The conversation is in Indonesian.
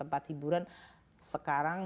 tempat hiburan sekarang